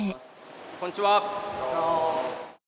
こんにちは。